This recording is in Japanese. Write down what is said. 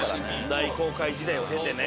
大航海時代を経てね。